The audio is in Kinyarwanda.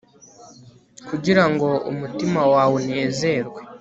Kugira ngo umutima wawe unezerwe